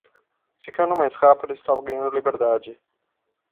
Ficando mais rápido estava ganhando liberdade.